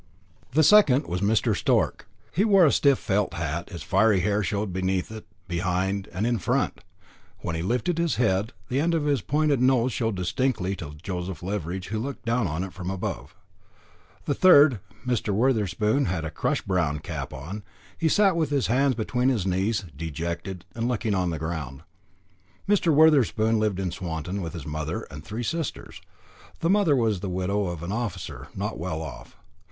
The second was Mr. Stork; he wore a stiff felt hat, his fiery hair showed beneath it, behind, and in front; when he lifted his head, the end of his pointed nose showed distinctly to Joseph Leveridge who looked down from above. The third, Mr. Wotherspoon, had a crushed brown cap on; he sat with his hands between his knees, dejected, and looking on the ground. Mr. Wotherspoon lived in Swanton with his mother and three sisters. The mother was the widow of an officer, not well off.